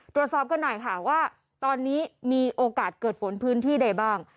ตรวจสอบกันหน่อยค่ะว่าตอนนี้มีโอกาสเกิดฝนพื้นที่ใดบ้าง